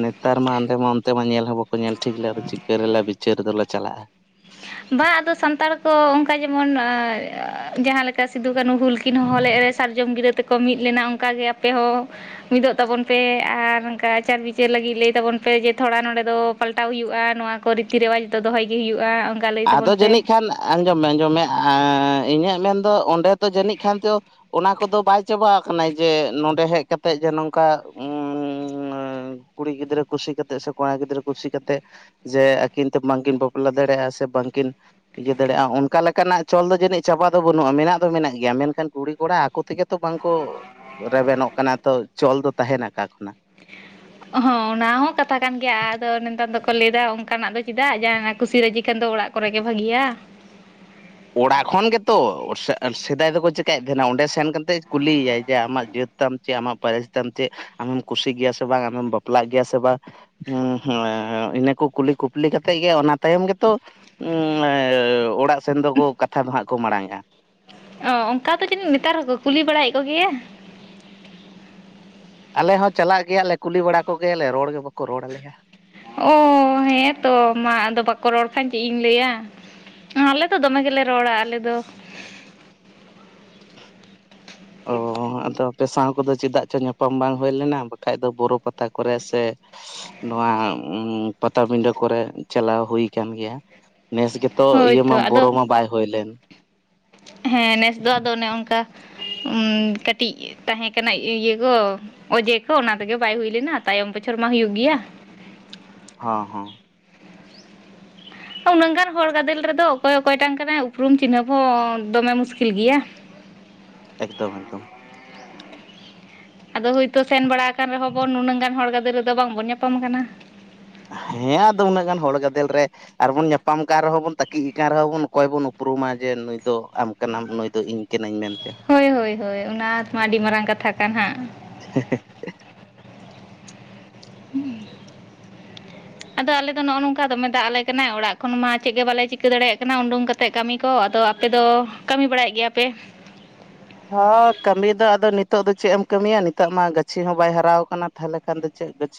ᱱᱮᱛᱟᱨ ᱢᱟ ᱟᱞᱮ ᱢᱟ ᱚᱱᱛᱮ ᱢᱟ ᱧᱮᱞ ᱦᱚᱸ ᱵᱟᱠᱚ ᱧᱮᱞ ᱴᱷᱤᱠ ᱞᱮ ᱟᱫᱚ ᱪᱤᱠᱟᱹ ᱨᱮᱞᱮ ᱵᱤᱪᱟᱹᱨ ᱫᱚᱞᱮ ᱪᱟᱞᱟᱜ-ᱟ᱾ <inaudible> ᱵᱟ ᱟᱫᱚ ᱥᱟᱱᱛᱟᱲ ᱠᱚ ᱚᱱᱠᱟ ᱡᱮᱢᱚᱱ ᱚᱻ ᱡᱟᱦᱟᱸ ᱞᱮᱠᱟ ᱥᱤᱫᱩ ᱠᱟᱹᱱᱩ ᱦᱩᱞ ᱠᱤᱱ ᱦᱚᱦᱚ ᱞᱮᱜ ᱨᱮ ᱥᱟᱨᱡᱚᱢ ᱜᱤᱨᱟᱹᱼᱼ ᱛᱮᱠᱚ ᱢᱤᱫ ᱞᱮᱱᱟ ᱚᱱᱠᱟ ᱜᱮ ᱟᱯᱮ ᱦᱚᱸ᱾ ᱢᱤᱫᱚᱜ ᱛᱟᱵᱚᱱ ᱯᱮ ᱟᱨ ᱱᱚᱝᱠᱟ ᱟᱪᱟᱨ ᱵᱤᱪᱟᱹᱨ ᱞᱟᱹᱜᱤᱫ ᱞᱟᱹᱭ ᱛᱟᱵᱚᱱ ᱯᱮ ᱡᱮ ᱛᱷᱚᱲᱟ ᱱᱚᱸᱰᱮ ᱫᱚᱼᱼ ᱯᱟᱞᱴᱟᱣ ᱦᱩᱭᱩᱜ-ᱟ ᱱᱚᱣᱟ ᱠᱚ ᱨᱤᱛᱤ ᱨᱮᱣᱟᱡᱽ ᱫᱚ ᱫᱚᱦᱚᱭ ᱜᱮ ᱦᱩᱭᱩᱜᱼᱟ ᱚᱱᱠᱟ᱾ ᱞᱟᱹᱭ ᱟᱫᱚ ᱛᱟᱵᱚᱱ ᱯᱮ ᱡᱟᱹᱱᱤᱡ ᱠᱷᱟᱱ ᱟᱸᱡᱚᱢ ᱢᱮ ᱟᱸᱡᱚᱢ ᱢᱮ ᱟᱸᱻ ᱤᱧᱟᱹᱜ ᱢᱮᱱ ᱫᱚ ᱚᱸᱰᱮ ᱫᱚ ᱡᱟᱹᱱᱤᱡ ᱠᱷᱟᱱ ᱪᱚᱼᱼ ᱚᱱᱟ ᱠᱚᱫᱚ ᱵᱟᱭ ᱪᱟᱵᱟ ᱟᱠᱟᱱᱟ ᱡᱮ ᱱᱚᱸᱰᱮ ᱦᱮᱡ ᱠᱟᱛᱮᱜ ᱡᱮ ᱱᱚᱝᱠᱟ ᱩᱸᱻ ᱱᱚᱼᱼ ᱠᱩᱲᱤ ᱜᱤᱫᱽᱨᱟᱹ ᱠᱩᱥᱤ ᱠᱟᱛᱮᱜ ᱥᱮ ᱠᱚᱲᱟ ᱜᱤᱫᱽᱨᱟᱹ ᱠᱩᱥᱤ ᱠᱟᱛᱮᱜ ᱡᱮ ᱟᱹᱠᱤᱱ ᱛᱮ ᱵᱟᱝ ᱠᱤᱱ ᱵᱟᱯᱞᱟ ᱫᱟᱲᱮᱜ-ᱟ ᱥᱮᱼᱼ ᱵᱟᱝ ᱠᱤᱱᱼᱼ ᱤᱭᱟᱹ ᱫᱟᱲᱮᱜ-ᱟ ᱚᱱᱠᱟ ᱞᱮᱠᱟ ᱱᱟᱜ ᱪᱚᱞ ᱫᱚ ᱡᱟᱹᱱᱤᱡ ᱪᱟᱵᱟ ᱫᱚ ᱵᱟᱹᱱᱩᱜ-ᱟ ᱢᱮᱱᱟᱜ ᱫᱚ ᱢᱮᱱᱟᱜ ᱜᱮᱭᱟ ᱢᱮᱱᱠᱷᱟᱱ ᱠᱩᱲᱤ ᱠᱚᱲᱟ ᱟᱠᱚ ᱛᱮᱜᱮᱼᱼ ᱛᱚ ᱵᱟᱝ ᱠᱚ ᱨᱮᱵᱮᱱᱚᱜ ᱠᱟᱱᱟ ᱛᱚ ᱪᱚᱞ ᱫᱚ ᱛᱟᱦᱮᱱᱟ ᱠᱟ ᱠᱷᱚᱱᱟᱜ᱾ ᱦᱚᱸ ᱚᱱᱟ ᱦᱚᱸ ᱠᱟᱛᱷᱟ ᱠᱟᱱ ᱜᱮᱭᱟ ᱟᱫᱚ ᱱᱮᱛᱟᱨ ᱫᱚᱠᱚ ᱞᱟᱹᱭ ᱫᱟ ᱚᱱᱠᱟ ᱱᱟᱜ ᱫᱚ ᱪᱮᱫᱟᱜ ᱡᱟᱦᱟᱸ ᱱᱟᱜ ᱠᱩᱥᱤ ᱨᱟᱹᱡᱤ ᱠᱷᱟᱱ ᱫᱚ ᱚᱲᱟᱜᱼᱼ ᱠᱚᱨᱮ ᱜᱮ ᱵᱷᱟᱹᱜᱤᱭᱟ᱾ ᱚᱲᱟᱜ ᱠᱷᱚᱱ ᱜᱮᱛᱚ ᱥᱮᱜ ᱥᱮᱫᱟᱭ ᱫᱚᱠᱚ ᱪᱮᱠᱟᱭᱮᱫ ᱛᱮᱦᱮᱱᱟ ᱚᱸᱰᱮ ᱥᱮᱱ ᱠᱟᱛᱮᱜ ᱠᱩᱞᱤᱭ ᱭᱟᱭ ᱡᱮ ᱟᱢᱟᱜ ᱡᱟᱹᱛᱼᱼ ᱛᱟᱢ ᱪᱮᱫ ᱟᱢᱟᱜ ᱯᱟᱹᱨᱮᱥ ᱛᱟᱢ ᱪᱮᱫ ᱟᱢᱦᱚᱢ ᱠᱩᱥᱤ ᱜᱮᱭᱟ ᱥᱮ ᱵᱟᱝ ᱟᱢᱮᱢ ᱵᱟᱯᱞᱟᱜ ᱜᱮᱭᱟ ᱥᱮ ᱵᱟᱝ, ᱩᱸ ᱦᱮᱸ ᱤᱱᱟᱹ ᱠᱚ ᱠᱩᱞᱤ ᱠᱚ ᱞᱤ ᱠᱟᱛᱮᱫ ᱜᱮ ᱚᱱᱟ ᱛᱟᱭᱚᱢ ᱜᱮᱛᱚ ᱚᱲᱟᱜ ᱥᱮᱱ ᱫᱚᱠᱚ ᱠᱟᱛᱷᱟ ᱫᱚ ᱦᱟᱸᱜ ᱠᱚ ᱢᱟᱲᱟᱝᱼᱟ᱾ ᱚ ᱚᱱᱠᱟ ᱫᱚ ᱡᱟᱹᱱᱤᱡ ᱱᱮᱛᱟᱨ ᱦᱚᱸᱠᱚ ᱠᱩᱞᱤ ᱵᱟᱲᱟᱭᱮᱫ ᱠᱚᱜᱮᱭᱟ᱾ ᱟᱞᱮ ᱦᱚᱸ ᱪᱟᱞᱟᱜ ᱜᱮᱭᱟ ᱞᱮ ᱠᱩᱞᱤ ᱵᱟᱲᱟ ᱠᱚᱜᱮᱭᱟᱞᱮ ᱨᱚᱲ ᱜᱮ ᱵᱟᱠᱚ ᱨᱚᱲ ᱟᱞᱮᱭᱟ᱾ ᱚ ᱦᱮᱸ ᱛᱚ ᱢᱟ ᱟᱫᱚ ᱵᱟᱠᱚ ᱨᱚᱲ ᱠᱷᱟᱱ ᱪᱮᱫ ᱤᱧ ᱞᱟᱹᱭᱟ᱾ ᱟᱞᱮ ᱫᱚ ᱫᱚᱢᱮ ᱜᱮᱞᱮ ᱨᱚᱲᱟ ᱟᱞᱮ ᱫᱚ ᱚ <inaudible> ᱟᱫᱚ ᱟᱯᱮ ᱥᱟᱶ ᱠᱚᱫᱚ ᱪᱮᱫᱟᱜ ᱪᱚᱝ ᱧᱟᱯᱟᱢ ᱵᱟᱝ ᱦᱩᱭ ᱞᱮᱱᱟ ᱵᱟᱠᱷᱟᱡ ᱫᱚ ᱵᱚᱨᱚ ᱯᱟᱛᱟ ᱠᱚᱨᱮ ᱥᱮ ᱱᱚᱣᱟ ᱯᱟᱴᱟᱵᱤᱸᱰᱟᱹ ᱠᱚᱨᱮ ᱪᱟᱞᱟᱣ ᱦᱳᱭ ᱠᱟᱱ ᱜᱮᱭᱟ ᱱᱮᱥ ᱜᱮ ᱛᱚ ᱤᱭᱟᱹ ᱢᱟ ᱦᱳᱭᱛᱚ ᱵᱚᱨᱚ ᱟᱫᱚ ᱢᱟ ᱵᱟᱭ ᱦᱳᱭ ᱞᱮᱱ ᱦᱮᱸ ᱱᱮᱥ ᱫᱚ ᱟᱫᱚ ᱚᱱᱮ ᱚᱱᱠᱟ ᱠᱟᱹᱴᱤᱡ ᱛᱟᱦᱮᱸ ᱠᱟᱱᱟ ᱤᱭᱟᱹ ᱤᱭᱟᱹ ᱠᱚ, ᱚᱡᱮ ᱠᱚ ᱚᱱᱟ ᱛᱮᱜᱮ ᱵᱟᱭ ᱦᱩᱭ ᱞᱮᱱᱟ ᱛᱟᱭᱚᱢ ᱵᱚᱪᱷᱚᱨ ᱢᱟ ᱦᱩᱭᱩᱜ ᱜᱮᱭᱟ᱾ ᱦᱚᱸ ᱦᱚᱸ ᱩᱱᱟᱹᱜ ᱜᱟᱱ ᱦᱚᱲ ᱜᱟᱫᱮᱞ ᱨᱮᱫᱚ ᱚᱠᱚᱭ ᱚᱠᱚᱭᱴᱟᱝ ᱠᱟᱱᱟᱭ ᱩᱯᱨᱩᱢ ᱪᱤᱱᱦᱟᱹᱯ ᱦᱚᱸ ᱫᱚᱢᱮ ᱢᱩᱥᱠᱤᱞ ᱜᱮᱭᱟ, ᱮᱠᱫᱚᱢ ᱮᱠᱫᱚᱢ᱾ ᱟᱫᱚ ᱦᱳᱭᱛᱚ ᱥᱮᱱ ᱵᱟᱲᱟ ᱠᱟᱱ ᱨᱮᱦᱚᱸ ᱵᱚᱱ ᱱᱩᱱᱟᱹᱜ ᱜᱟᱱ ᱦᱚᱲ ᱜᱟᱫᱮᱞ ᱨᱮᱫᱚ ᱵᱟᱝᱵᱚᱱ ᱧᱟᱯᱟᱢ ᱠᱟᱱᱟ᱾ ᱦᱮᱸ ᱟᱫᱚ ᱩᱱᱟᱹᱜ ᱜᱟᱱ ᱦᱚᱲ ᱜᱟᱫᱮᱞ ᱨᱮ ᱟᱨᱵᱚᱱ ᱧᱟᱯᱟᱢ ᱠᱟᱱ ᱨᱮᱦᱚᱸ ᱵᱚᱱ ᱛᱟᱹᱠᱤᱡ ᱟᱠᱟᱱ ᱨᱮᱦᱚᱸ ᱵᱚᱱ ᱚᱠᱚᱭ ᱵᱚᱱ ᱩᱯᱨᱩᱢᱟ ᱡᱮ ᱱᱩᱭ ᱫᱚ ᱟᱢ ᱠᱟᱱᱟᱢ ᱱᱩᱭ ᱫᱚ ᱤᱧ ᱠᱟᱹᱱᱟᱹᱧ ᱢᱮᱱᱛᱮ᱾ ᱦᱳᱭ ᱦᱳᱭ ᱦᱳᱭ ᱚᱱᱟᱛᱢᱟ ᱟᱹᱰᱤ ᱢᱟᱨᱟᱝ ᱠᱟᱛᱷᱟ ᱠᱟᱱ ᱦᱟᱸᱜ᱾ ᱦᱮ ᱦᱮ ᱾ <inaudible> ᱟᱫᱚ ᱟᱞᱮ ᱫᱚ ᱱᱚᱜᱼᱚ ᱱᱚᱝᱠᱟ ᱫᱚᱢᱮ ᱫᱟᱜ ᱟᱞᱮ ᱠᱟᱱᱟᱭ ᱚᱲᱟᱜ ᱠᱷᱚᱱ ᱢᱟ ᱪᱮᱫ ᱜᱮ ᱵᱟᱞᱮ ᱪᱤᱠᱟᱹ ᱫᱟᱲᱮᱭᱟᱜ ᱠᱟᱱᱟ ᱩᱰᱩᱝ ᱠᱟᱛᱮ ᱮᱱᱛᱮᱫ ᱠᱟᱹᱢᱤ ᱠᱚ ᱟᱫᱚ ᱟᱯᱮᱫᱚ ᱠᱟᱹᱢᱤ ᱵᱟᱲᱟᱭᱮᱫ ᱜᱮᱭᱟᱯᱮ? ᱦ ᱠᱟᱹᱢᱤ ᱫᱚ ᱟᱫᱚ ᱱᱤᱛᱚᱜ ᱫᱚ ᱪᱮᱫ ᱮᱢ ᱠᱟᱹᱢᱤᱭᱟ, ᱱᱤᱛᱚᱜ ᱢᱟ ᱜᱟᱹᱪᱷᱤ ᱦᱚᱸ ᱵᱟᱭ ᱦᱟᱨᱟᱣ ᱠᱟᱱᱟ ᱛᱟᱦᱚᱞᱮ ᱠᱷᱟᱱ ᱫᱚ ᱪᱮᱫ ᱜᱟᱹᱪᱷᱤ